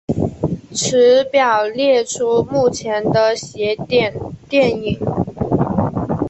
此表列出目前的邪典电影。